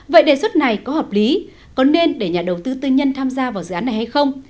vậy đề xuất này có hợp lý có nên để nhà đầu tư tư nhân tham gia vào dự án này hay không